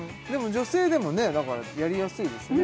女性でもねやりやすいですね